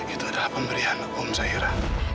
itu adalah pemberian om zaira